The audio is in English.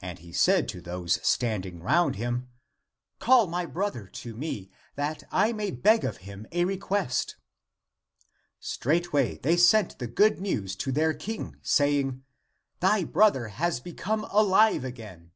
And he said to those standing round him, " Call my brother to me, that I may beg of him a request." Straightway they sent the good news to their King, saying, " Thy brother has become alive again